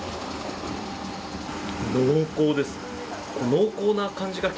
濃厚です。